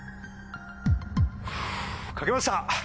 書けました！